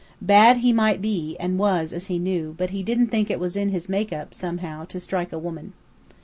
Bad he might be, and was, as he knew; but he didn't think it was in his make up, somehow, to strike a woman.